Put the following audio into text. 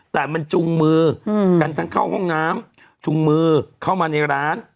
แต่มันจุงมือกันทั้งเข้าห้องน้ำจุงมือเข้ามาในร้าน